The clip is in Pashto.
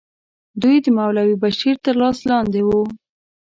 دوی د مولوي بشیر تر لاس لاندې وو.